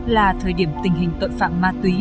là thời điểm tình hình tội phạm ma túy